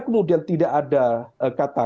kemudian tidak ada kata